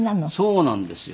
そうなんですよ。